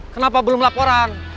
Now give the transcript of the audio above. kenapa belum laporan